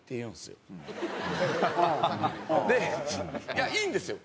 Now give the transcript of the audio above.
いやいいんですよ。